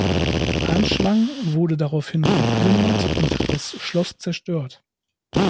Arnschwang wurde daraufhin geplündert und das Schloss zerstört.